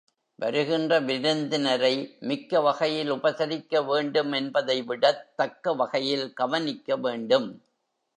வருகின்ற விருந்தினரை மிக்க வகையில் உபசரிக்க வேண்டும் என்பதைவிடத் தக்க வகையில் கவனிக்க வேண்டும்.